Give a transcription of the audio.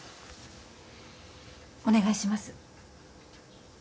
お願いします。